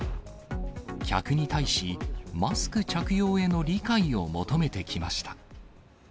客に対し、マスク着用への理解を求めてきました。